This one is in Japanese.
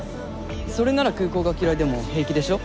それなら空港が嫌いでも平気でしょ？